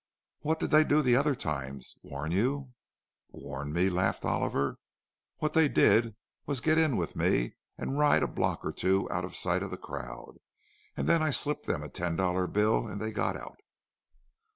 "What did they do the other times—warn you?" "Warn me?" laughed Oliver. "What they did was to get in with me and ride a block or two, out of sight of the crowd; and then I slipped them a ten dollar bill and they got out."